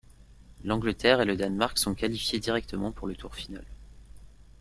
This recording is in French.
L'Angleterre et le Danemark sont qualifiés directement pour le tour final.